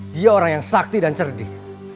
dia orang yang sakti dan cerdih